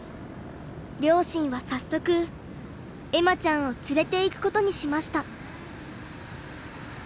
両親は早速恵麻ちゃんを連れていくことにしました。